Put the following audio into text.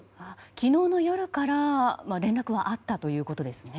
昨日の夜から連絡はあったということですね。